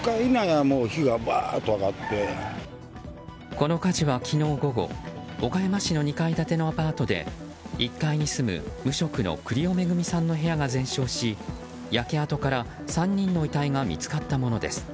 この火事は昨日午後岡山市の２階建てのアパートで１階に住む無職の栗尾めぐみさんの部屋が全焼し焼け跡から３人の遺体が見つかったものです。